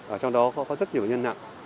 ở trong đó có rất nhiều nhân nặng